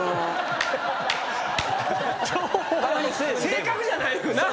正確じゃないよな。